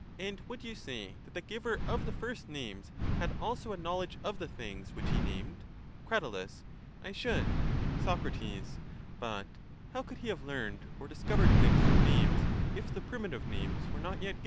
And would you say that the giver of the first names had also a knowledge of the things which he named? Crat. I should. Soc. But how could he have learned or discovered things from names if the primitive names were not yet given?